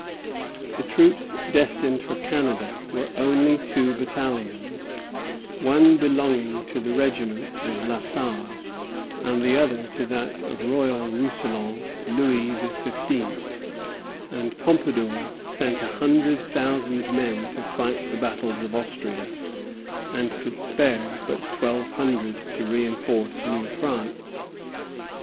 The troops destined for Canada were only two battalions, one belonging to the regiment of La Sarre, and the other to that of Royal Roussillon. Louis XV. and Pompadour sent a hundred thousand men to fight the battles of Austria, and could spare but twelve hundred to reinforce New France.